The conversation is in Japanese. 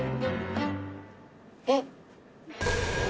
えっ。